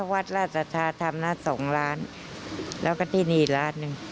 วัดราชสัทธาธรรมนะ๒ล้านแล้วก็ที่นี่อีกล้านหนึ่ง